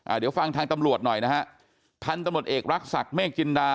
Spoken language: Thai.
เดี๋ยวฟังทางตำรวจหน่อยนะฮะพันธุ์ตำรวจเอกรักษักเมฆจินดา